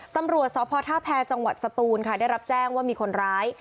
ตำรวจสพท่าแพรจังหวัดสตูนค่ะได้รับแจ้งว่ามีคนร้าย